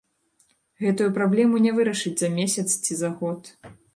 Гэтую праблему не вырашыць за месяц ці за год.